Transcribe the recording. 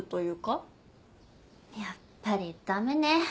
やっぱり駄目ね